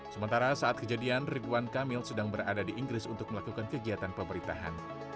sementara saat kejadian ridwan kamil sedang berada di inggris untuk melakukan kegiatan pemerintahan